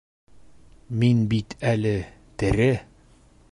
Мин бит әле... тере!